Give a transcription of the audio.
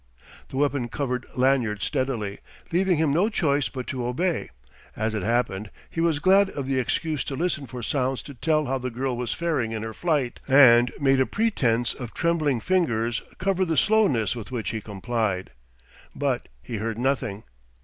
The weapon covered Lanyard steadily, leaving him no choice but to obey. As it happened, he was glad of the excuse to listen for sounds to tell how the girl was faring in her flight, and made a pretence of trembling fingers cover the slowness with which he complied. But he heard nothing.